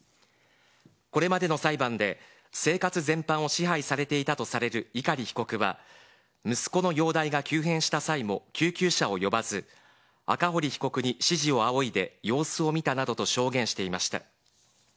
これまでの裁判で、生活全般を支配されていたとされる碇被告は、息子の容体が急変した際も救急車を呼ばず、赤堀被告に指示を仰いで様子を見たなどと証言していました。